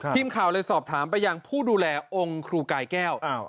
ทีมข่าวเลยสอบถามไปยังผู้ดูแลองค์ครูกายแก้ว